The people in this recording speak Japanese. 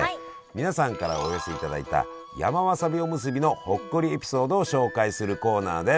皆さんからお寄せいただいた山わさびおむすびのほっこりエピソードを紹介するコーナーです。